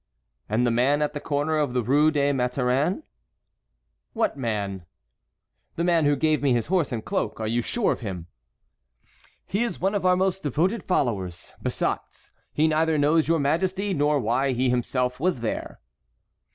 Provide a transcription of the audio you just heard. "And the man at the corner of the Rue des Mathurins?" "What man?" "The man who gave me his horse and cloak. Are you sure of him?" "He is one of our most devoted followers. Besides, he neither knows your majesty nor why he himself was there."